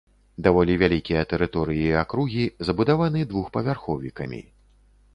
Даволі вялікія тэрыторыі акругі забудаваны двухпавярховікамі.